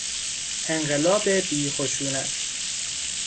انقلاب بی خشونت